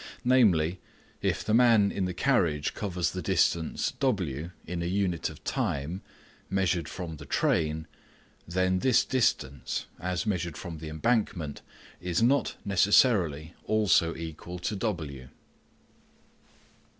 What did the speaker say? Namely, if the man in the carriage covers the distance w in a unit of time measured from the train, then this distance as measured from the embankment is not necessarily also equal to w.